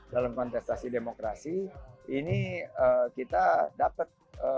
dalam kontestasi demokrasi ini kita dapat